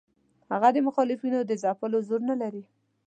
هغه د مخالفینو د ځپلو زور نه لري.